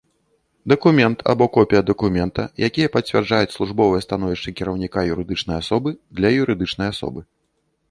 Дакумент або копiя дакумента, якiя пацвярджаюць службовае становiшча кiраўнiка юрыдычнай асобы, – для юрыдычнай асобы.